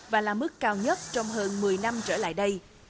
và là mức cao nhất trong hơn một mươi năm trở lại đây